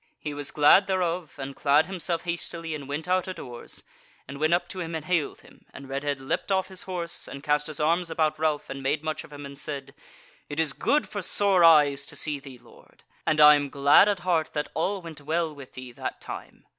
He was glad thereof, and clad himself hastily, and went out a doors, and went up to him and hailed him, and Redhead leapt off his horse, and cast his arms about Ralph, and made much of him, and said: "It is good for sore eyes to see thee, lord; and I am glad at heart that all went well with thee that time.